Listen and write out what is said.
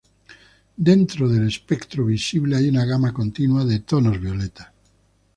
Dentro del espectro visible hay una gama continua de tonos violetas.